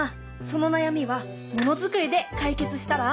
その悩みはものづくりで解決したら？